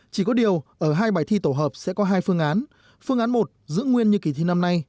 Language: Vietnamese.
chỉ có điều ở hai bài thi tổ hợp sẽ có hai phương án phương án một giữ nguyên như kỳ thi năm nay